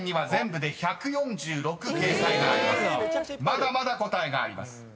［まだまだ答えがあります］